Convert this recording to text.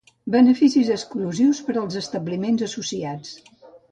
Beneficis exclusius per als establiments associats